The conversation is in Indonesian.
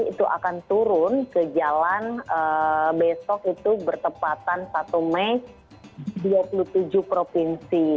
itu akan turun ke jalan besok itu bertepatan satu mei dua puluh tujuh provinsi